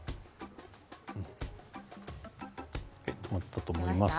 留まったと思います。